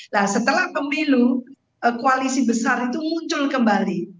nah setelah pemilu koalisi besar itu muncul kembali